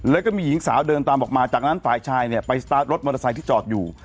แล้วก็มีหญิงสาวเดินตามออกมาจากนั้นฝ่ายชายเนี่ยไปสตาร์ทรถมอเตอร์ไซค์ที่จอดอยู่